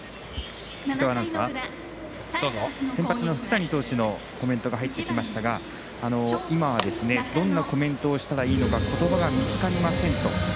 先発の福谷投手のコメント入ってきましたが今はどんなコメントをしたらいいのかことばが見つかりませんと。